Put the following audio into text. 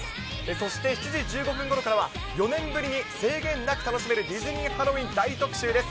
そして７時１５分ごろからは、４年ぶりに制限なく楽しめるディズニーハロウィーン大特集です。